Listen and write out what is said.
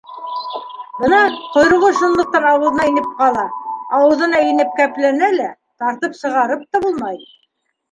Бына ҡойроғо шунлыҡтан ауыҙына инеп ҡала — ауыҙына инеп кәпләнә лә, тартып сығарып та булмай.